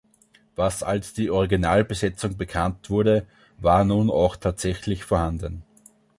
Was als „die Originalbesetzung“ bekannt wurde, war nun auch tatsächlich vorhanden.